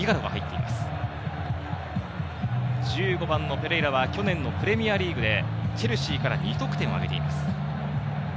１５番のペレイラは去年のプレミアリーグでチェルシーから２得点をあげています。